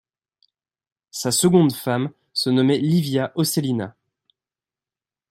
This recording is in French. Sa seconde femme se nommait Livia Ocellina.